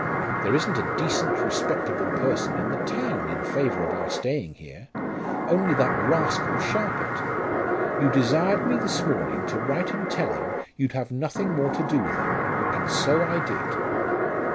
There isn't a decent respectable person in the town in favour of our staying here, only that rascal Sharpit. You desired me this morning to write and tell him you'd have nothing more to do with him; and so I did."